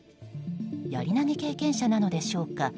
やり投げ経験者なのでしょうか。